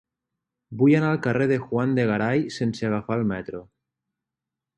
Vull anar al carrer de Juan de Garay sense agafar el metro.